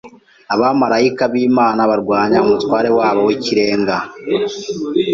abamarayika b’Imana barwanya umutware wabo w’ikirenga,